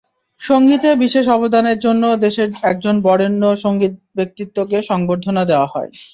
সংগীতে বিশেষ অবদানের জন্য দেশের একজন বরেণ্য সংগীতব্যক্তিত্বকে সংবর্ধনা দেওয়া হয়।